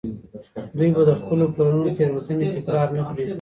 دوی به د خپلو پلرونو تېروتني تکرار نه کړي.